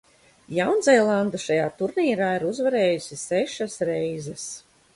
Jaunzēlande šajā turnīrā ir uzvarējusi sešas reizes.